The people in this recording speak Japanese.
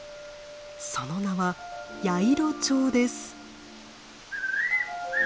その名はヤイロチョウです。